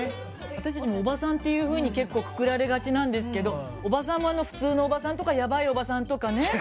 私たちもおばさんっていうふうに結構くくられがちなんですけどおばさんもあの普通のおばさんとかやばいおばさんとかね。